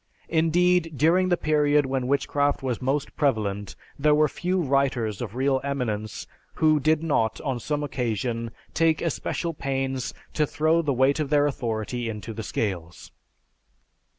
Indeed, during the period when witchcraft was most prevalent there were few writers of real eminence who did not, on some occasion, take especial pains to throw the weight of their authority into the scales.